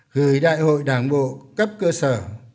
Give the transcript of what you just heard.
gửi đại hội đảng bộ cấp cơ sở